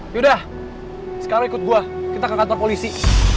yaudah sekarang ikut gue kita ke kantor polisi